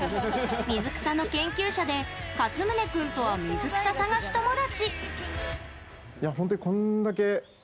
水草の研究者でかつむね君とは水草探し友達。